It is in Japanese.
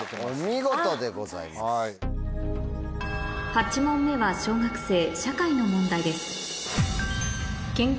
８問目は小学生社会の問題です